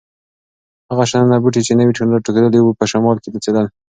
هغه شنه بوټي چې نوي راټوکېدلي وو، په شمال کې نڅېدل.